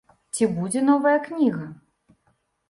Ці будзе новая кніга?